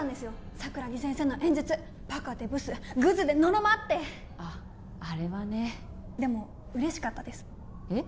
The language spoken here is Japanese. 桜木先生の演説バカでブスグズでのろまってあっあれはねでも嬉しかったですえっ？